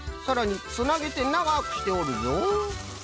さらにつなげてながくしておるぞ。